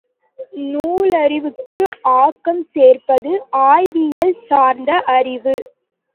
நூலறிவுக்கு ஆக்கம் சேர்ப்பது ஆய்வியல் சார்ந்த அறிவு.